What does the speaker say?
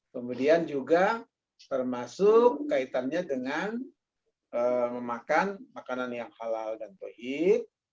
kemudian juga termasuk kaitannya dengan memakan makanan yang halal dan tohit